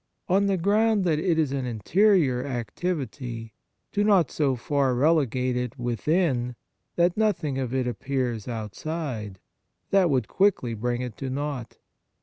On the ground that it is an interior activity, do not so far relegate it within that nothing of it appears outside; that would quickly bring it to naught.